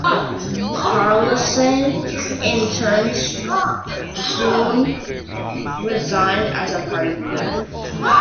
Karlsson in turn soon resigned as party leader.